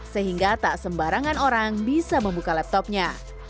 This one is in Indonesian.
sehingga tak sembarangan orang bisa membuka laptopnya